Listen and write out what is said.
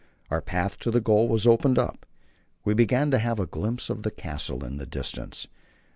Our path to the goal was opening up; we began to have a glimpse of the castle in the distance.